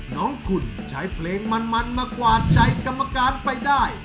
น้องคุณใช้เพลงมันมากวาดใจกรรมการไปได้